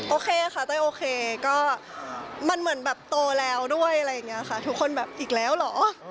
โอเคค่ะเต้ยโอเคก็มันเหมือนแบบโตแล้วด้วยอะไรอย่างนี้ค่ะทุกคนแบบอีกแล้วเหรอ